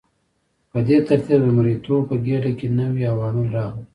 په دې ترتیب د مرئیتوب په ګیډه کې نوي عوامل راغلل.